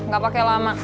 gak pake lama